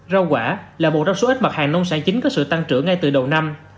rau quả là một trong số ít mặt hàng nông sản chính có sự tăng trưởng ngay từ đầu năm